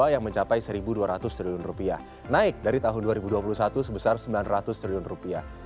yang mencapai satu dua ratus triliun rupiah naik dari tahun dua ribu dua puluh satu sebesar sembilan ratus triliun rupiah